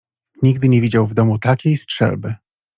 "Nigdy nie widział w domu takiej strzelby."